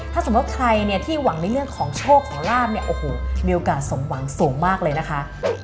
ถ้าสมมุติใครเนี่ยที่หวังในเรื่องของโชคของลาบเนี่ยโอ้โหมีโอกาสสมหวังสูงมากเลยนะคะ